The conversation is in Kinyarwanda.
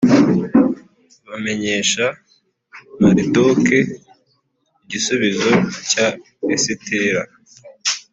bamenyesha maridoke igisubizo cya esitera.